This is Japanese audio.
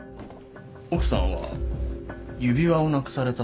奥さんは指輪をなくされたとか。